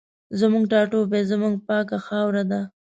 زموږ ټاټوبی زموږ پاکه خاوره ده